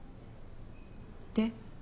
で？